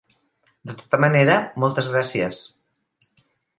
De tota manera, moltes gràcies.